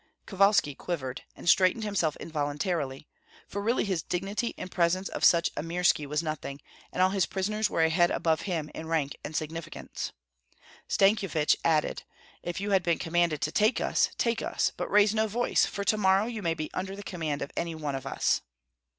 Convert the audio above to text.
Kovalski quivered, and straightened himself involuntarily; for really his dignity in presence of such a Mirski was nothing, and all his prisoners were a head above him in rank and significance. Stankyevich added: "If you have been commanded to take us, take us; but raise no voice, for to morrow you may be under the command of any one of us."